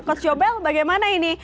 coach jobel bagaimana ini